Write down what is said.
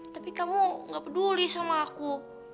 tapi kamu gak peduli sama aku